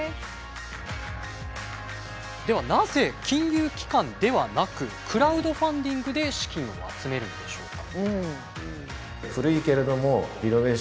ではなぜ金融機関ではなくクラウドファンディングで資金を集めるのでしょうか？